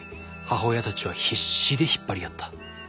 母親たちは必死で引っ張り合った。